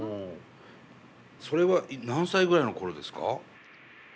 それは何歳ぐらいの頃ですか？